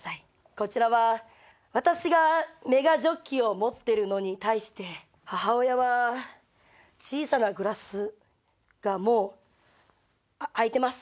こちらは私がメガジョッキを持ってるのに対して母親は小さなグラスがもう空いてます。